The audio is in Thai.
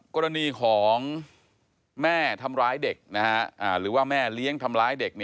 กรณีของแม่ทำร้ายเด็กหรือว่าแม่เลี้ยงทำร้ายเด็ก